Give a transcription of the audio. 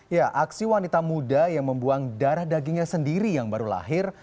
ya aksi wanita muda yang membuang darah dagingnya sendiri yang baru lahir